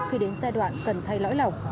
khi đến giai đoạn cần thay lõi lọc